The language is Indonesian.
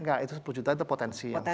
enggak itu sepuluh juta itu potensi